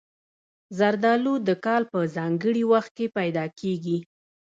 زردالو د کال په ځانګړي وخت کې پیدا کېږي.